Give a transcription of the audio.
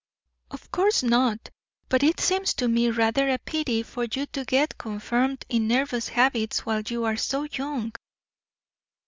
"Of course not; but it seems to me rather a pity for you to get confirmed in nervous habits while you are so young."